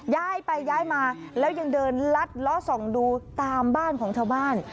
ย้ายไปย้ายมาแล้วยังเดินลัดล้อส่องดูตามบ้านของชาวบ้าน